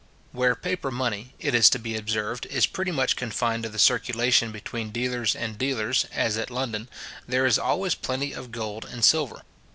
Where paper money, it is to be observed, is pretty much confined to the circulation between dealers and dealers, as at London, there is always plenty of gold and silver.